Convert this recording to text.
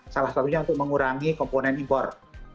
salah satunya untuk mengurangi komponen impor